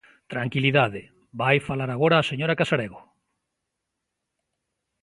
Tranquilidade, vai falar agora a señora Casarego.